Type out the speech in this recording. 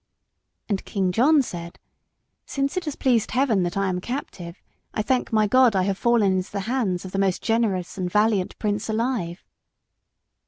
And King John said "Since it has pleased Heaven that I am a captive, I thank my God I have fallen into the hands of the most generous and valiant prince alive."